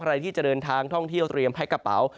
ใครที่จะเดินทางท่องเที่ยวเตรียมแพ็คกระเป๋า